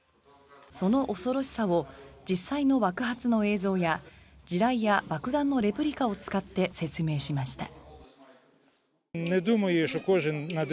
その恐ろしさを実際の爆発の映像や地雷や爆弾のレプリカを使って説明しました。